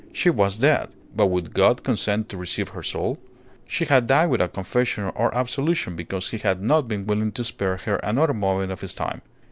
She was dead. But would God consent to receive her soul? She had died without confession or absolution, because he had not been willing to spare her another moment of his time.